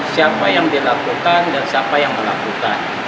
siapa yang dilakukan dan siapa yang melakukan